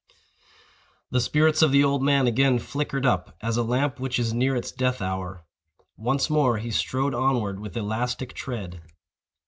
The spirits of the old man again flickered up, as a lamp which is near its death hour. Once more he strode onward with elastic tread.